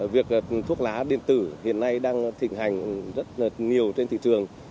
việc thuốc lá điện tử hiện nay đang thịnh hành rất nhiều trên thị trường